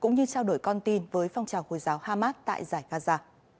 cũng như trao đổi con tin với phong trào hồi giáo hamas tại giải gaza